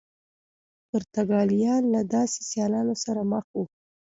پرتګالیان له داسې سیالانو سره مخ وو.